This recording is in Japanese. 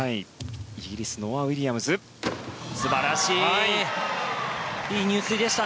イギリスノア・ウィリアムズ素晴らしいいい入水でした。